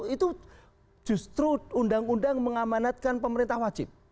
itu justru undang undang mengamanatkan pemerintah wajib